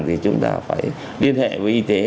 thì chúng ta phải liên hệ với y tế